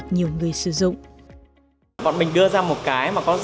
nhiều người sử dụng